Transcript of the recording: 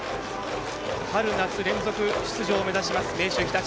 春夏、連続出場を目指します明秀日立。